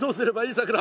さくら。